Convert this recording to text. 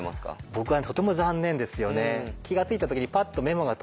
僕はとても残念ですよね。